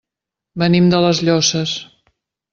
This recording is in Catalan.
Venim de les Llosses.